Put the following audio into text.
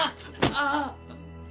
ああ。